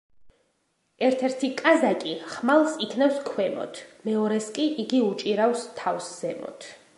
ერთ-ერთი კაზაკი ხმალს იქნევს ქვემოთ, მეორეს კი იგი უჭირავს თავს ზემოთ.